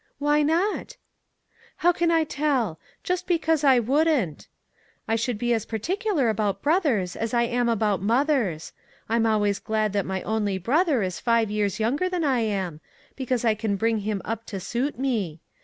"Why not?" " How can I tell ? Just because I wouldn't. I should be as particular about brothers as I am about mothers. I'm always glad that my only brother is five years younger than 5O ONE COMMONPLACE DAY. I am, because I can bring him up to suit me.